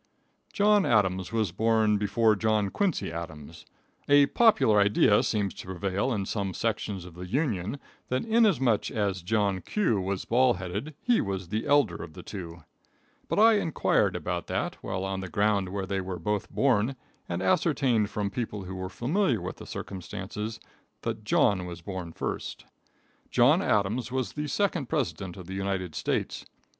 John Adams was born before John Quincy Adams. A popular idea seems to prevail in some sections of the Union that inasmuch as John Q. was bald headed, he was the eider of the two; but I inquired about that while on the ground where they were both born, and ascertained from people who were familiar with the circumstances, that John was born first. [Illustration: PRESIDENTIAL SIMPLICITY.] John Adams was the second president of the United States.